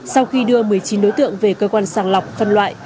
sau khi đưa một mươi chín đối tượng về cơ quan sàng lọc phân loại